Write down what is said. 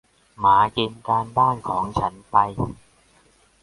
หมากินการบ้านของฉันไป